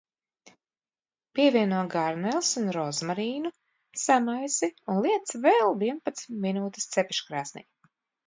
Pievieno garneles un rozmarīnu, samaisi un liec vēl vienpadsmit minūtes cepeškrāsnī.